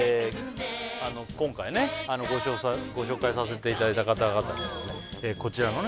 今回ねご紹介させていただいた方々にはですねこちらのね